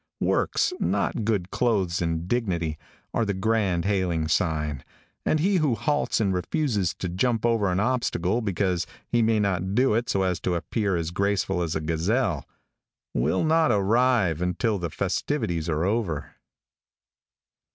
Works, not good clothes and dignity, are the grand hailing sign, and he who halts and refuses to jump over an obstacle because he may not do it so as to appear as graceful as a gazelle, will not arrive until the festivities are over.